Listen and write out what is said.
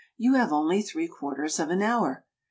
You have only three quarters of an hour."